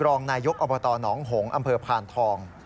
รองนายกอบตหนองหงษ์อำเภอพานทอง